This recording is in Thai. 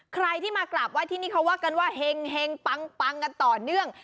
ใครที่มากราบไห้ที่นี่เขาว่ากันว่าเห็งปังกันต่อเนื่อง